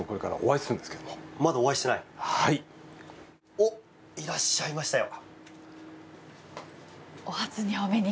おっいらっしゃいましたよ。